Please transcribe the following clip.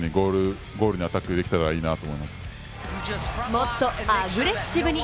もっとアグレッシブに。